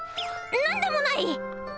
何でもない！